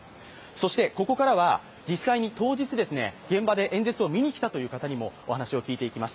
そして、ここからは実際に当日、現場で演説を見に来たという方にもお話を聞いていきます。